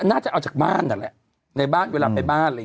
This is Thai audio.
ไม่กว่าเดิม